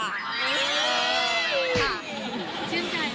เชื่อมใจเนอะวีน้อง